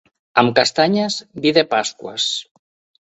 Amb castanyes, vi de Pasqües.